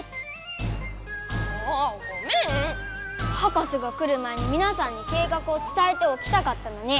博士が来る前にみなさんに計画をつたえておきたかったのに！